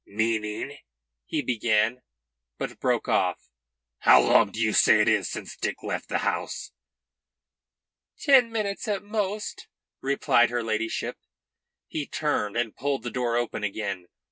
"Meaning " he began, but broke off. "How long do you say it is since Dick left the house?" "Ten minutes at most," replied her ladyship. He turned and pulled the door open again.